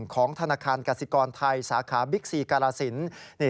ของธนาคารกสิกรไทยสาขาบิ๊กซีกาลสิน